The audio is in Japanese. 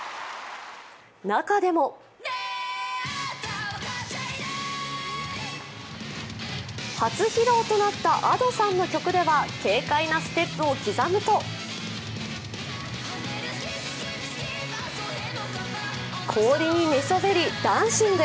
中でも初披露となったＡｄｏさんの曲では軽快なステップを刻むと氷に寝そべりダンシング。